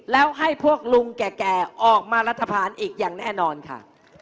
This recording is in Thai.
แล้วให้พวกลุงแก่ออกมารัฐพานอีกอย่างแน่นอนค่ะ